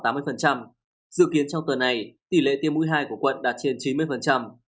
dự kiến trong tuần này tỷ lệ tiêm mũi hai của quận đạt trên chín mươi